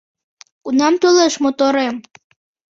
Кунам толеш моторем?